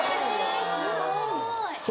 すごい！